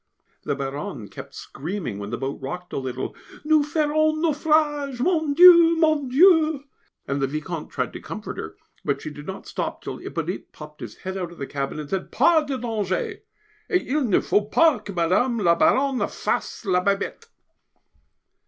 The Baronne kept screaming when the boat rocked a little. "Nous ferons naufrage! Mon Dieu! Mon Dieu!" and the Vicomte tried to comfort her, but she did not stop till Hippolyte popped his head out of the cabin and said, "Pas de danger! et il ne faut pas que Mme. la Baronne fasse la Bebête!"